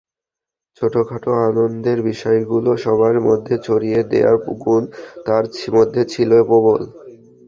ছোটখাটো আনন্দের বিষয়গুলো সবার মধ্যে ছড়িয়ে দেওয়ার গুণ তাঁর মধ্যে ছিল প্রবল।